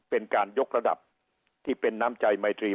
เป็นการยกระดับที่เป็นน้ำใจไมตรี